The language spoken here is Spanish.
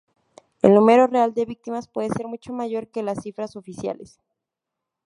El número real de víctimas puede ser mucho mayor que las cifras oficiales.